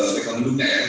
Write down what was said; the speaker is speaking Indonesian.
mekang undungnya ya